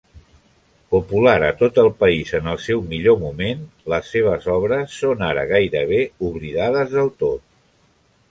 Popular a tot el país en el seu millor moment, les seves obres són ara gairebé oblidades del tot.